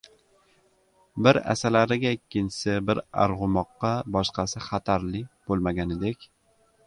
bir asalariga ikkinchisi, bir arg‘umoqqa boshqasi xatarli bo‘lmaganidek